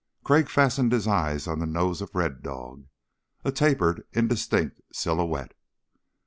Crag fastened his eyes on the nose of Red Dog, a tapered indistinct silhouette.